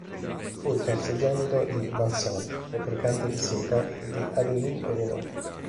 Fu il terzogenito di Vincent, fabbricante di seta, e di Adeline Reynaud.